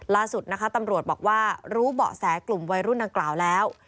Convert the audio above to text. ล่าสุดนะคะตำรวจบอกว่ารู้เบาะแสกลุ่มวัยรุ่นดังกล่าวแล้ว